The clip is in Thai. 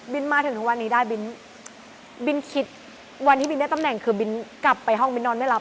บิ๊นมาถึงทุกวันนี้ได้วันที่บิ๊นได้ตำแหน่งคือบิ๊นกลับไปห้องบิ๊นนอนไม่รับ